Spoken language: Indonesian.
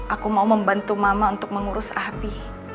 aku mau membantu mama untuk mengurus api